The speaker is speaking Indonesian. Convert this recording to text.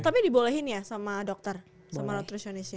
tapi dibolehin ya sama dokter sama nutritionisnya